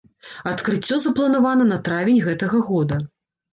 Адкрыццё запланавана на травень гэтага года.